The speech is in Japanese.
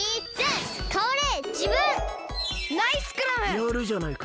やるじゃないか！